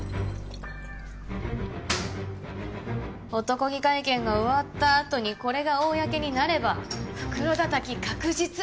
男気会見が終わったあとにこれが公になれば袋だたき確実！